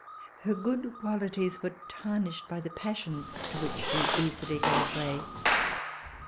Her good qualities were tarnished by the passions to which she easily gave way.